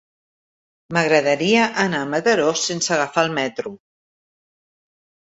M'agradaria anar a Mataró sense agafar el metro.